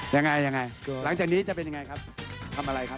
ยังไงยังไงหลังจากนี้จะเป็นยังไงครับทำอะไรครับ